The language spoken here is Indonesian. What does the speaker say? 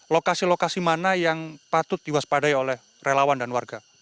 lokasi lokasi mana yang patut diwaspadai oleh relawan dan warga